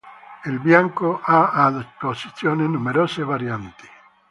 Il bianco ha a disposizione numerose varianti.